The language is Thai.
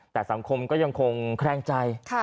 แต่สังคมก็ยังคงแคลงใจ